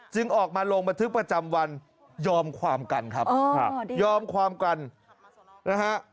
ออกมาลงบันทึกประจำวันยอมความกันครับยอมความกันนะฮะ